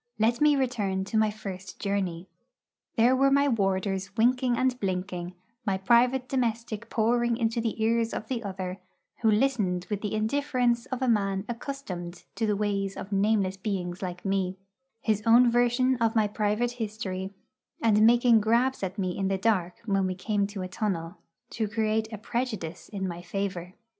Let me return to my first journey. There were my warders winking and blinking; my private domestic pouring into the ears of the other, who listened with the indifference of a man accustomed to the ways of nameless beings like me, his own version of my private history, and making grabs at me in the dark when we came to a tunnel, to create a prejudice in my favour.